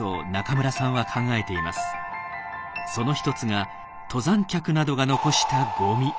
その一つが登山客などが残したゴミ。